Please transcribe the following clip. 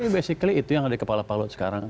basically itu yang ada di kepala pak lut sekarang